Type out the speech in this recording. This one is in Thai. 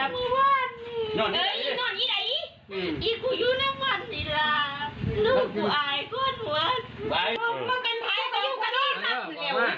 บอกแล้วใกล้แล้วมันจะรอคุณ